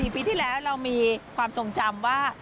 ปีที่แล้วเรามีความทรงจำว่า